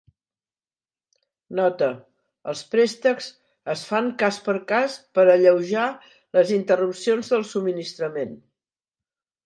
Nota: Els préstecs es fan cas per cas per alleujar les interrupcions del subministrament.